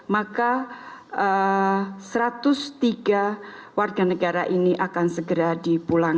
maka satu ratus tiga warga negara ini akan segera dipulangkan